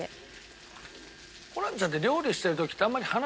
ホランちゃんって。